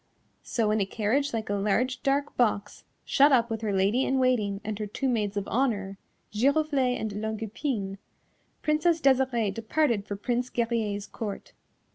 So in a carriage like a large dark box, shut up with her Lady in Waiting and her two Maids of Honour, Giroflée and Longue Epine, Princess Desirée departed for Prince Guerrier's Court.